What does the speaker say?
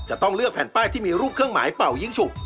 จะต้องเลือกแผ่นป้ายที่มีรูปเครื่องหมายเป่ายิ้งฉุก